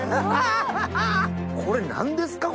これ何ですか？